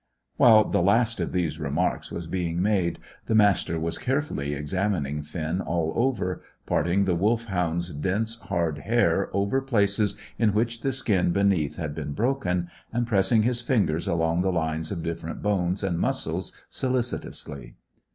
While the last of these remarks was being made the Master was carefully examining Finn all over, parting the Wolfhound's dense hard hair over places in which the skin beneath had been broken, and pressing his fingers along the lines of different bones and muscles solicitously.